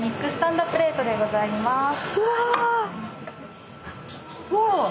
うわ。